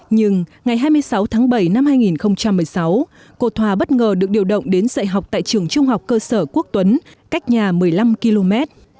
nhưng ngày hai mươi sáu tháng bảy năm hai nghìn một mươi sáu cô thòa bất ngờ được điều động đến dạy học tại trường trung học cơ sở quốc tuấn cách nhà một mươi năm km